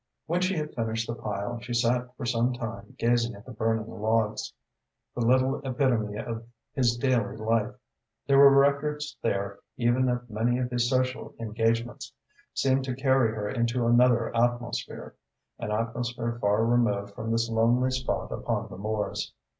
When she had finished the pile, she sat for some time gazing at the burning logs. The little epitome of his daily life there were records there even of many of his social engagements seemed to carry her into another atmosphere, an atmosphere far removed from this lonely spot upon the moors.